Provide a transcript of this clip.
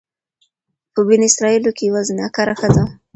په بني اسرائيلو کي يوه زناکاره ښځه وه،